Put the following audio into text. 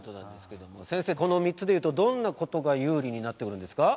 先生この３つでいうとどんな事が有利になってくるんですか？